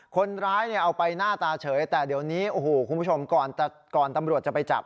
คนร้ายเนี่ยเอาไปหน้าตาเฉยแต่เดี๋ยวนี้โอ้โหคุณผู้ชมก่อนตำรวจจะไปจับ